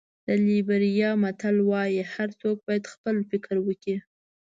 د لېبریا متل وایي هر څوک باید خپل فکر وکړي.